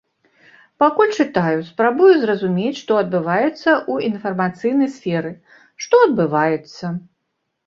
Пакуль чытаю, спрабую зразумець што адбываецца ў інфармацыйнай сферы, што адбываецца.